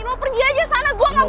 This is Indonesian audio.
lo pergi aja sana gue gak butuh lo